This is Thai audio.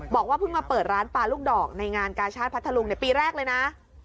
บอกว่าเพิ่งมาเปิดร้านปลาลูกดอกในงานกาชาติพัทธลุงปีแรกเลยนะ